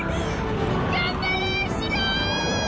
頑張れシロー！